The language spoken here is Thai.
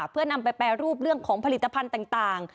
เพื่อนำไปแปรรูปเรื่องของผลิตภัณฑ์ต่าง